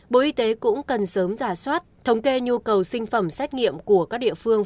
bộ y tế cũng cần sớm giả soát thống kê nhu cầu sinh phẩm xét nghiệm của các địa phương